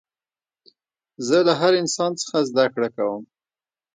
زه له هر انسان څخه زدکړه کوم.